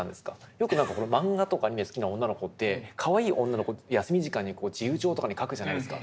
よくマンガとかアニメを好きな女の子ってかわいい女の子を休み時間に自由帳とかに描くじゃないですか。